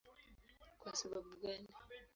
Kwa sababu gani?